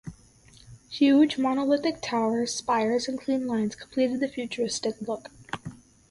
Huge monolithic towers, spires, and clean lines completed the futuristic look.